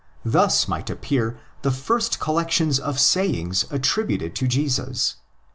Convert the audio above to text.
Thus might appear the first collec tions of sayings attributed to Jesus.